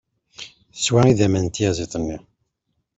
Teswa idammen n tyaẓiḍt-nni.